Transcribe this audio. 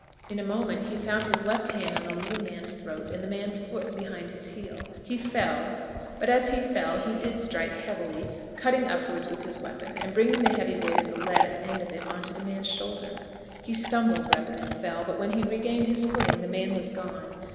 In a moment he found his left hand on the leading man's throat, and the man's foot behind his heel. He fell, but as he fell he did strike heavily, cutting upwards with his weapon, and bringing the heavy weight of lead at the end of it on to the man's shoulder. He stumbled rather than fell, but when he regained his footing, the man was gone.